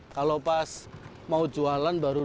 kalau pas mau jualan baru